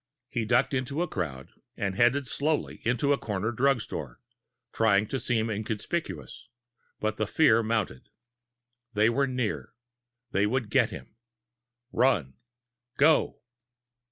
He ducked into a crowd, and headed slowly into a corner drug store, trying to seem inconspicuous, but the fear mounted. They were near they would get him! Run, GO!